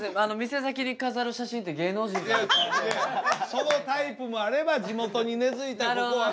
そのタイプもあれば地元に根づいた。